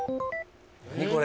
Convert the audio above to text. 何これ。